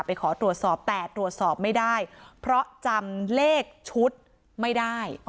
ขอตรวจสอบแต่ตรวจสอบไม่ได้เพราะจำเลขชุดไม่ได้